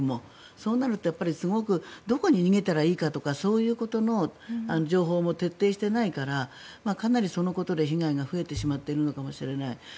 そうなるとすごくどこに逃げたらいいかとかそういうことの情報も徹底してないからかなりそのことで被害が増えてしまっているのかもしれない。